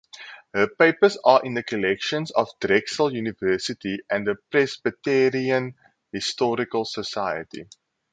Her papers are in the collections of Drexel University and the Presbyterian Historical Society.